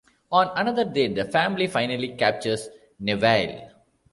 On another day, the Family finally captures Neville.